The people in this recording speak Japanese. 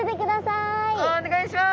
お願いします。